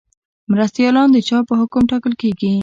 مرستیالان د چا په حکم ټاکل کیږي؟